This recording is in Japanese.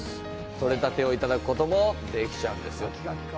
取れたてをいただくこともできちゃうんです。